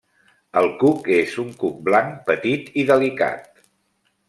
El cuc és un cuc blanc, petit i delicat.